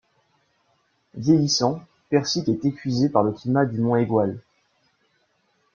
Vieillissant, Persik est épuisé par le climat du mont Aigoual.